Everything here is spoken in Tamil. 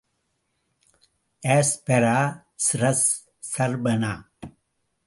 ஆஸ்பரா, சிரஸ், சர்பனா.